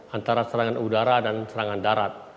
antara serangan udara dan serangan darat